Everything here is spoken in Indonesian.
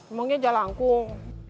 emangnya jalan angkung